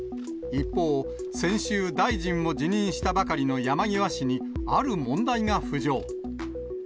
一方、先週、大臣を辞任したばかりの山際氏に、ある問題が浮上。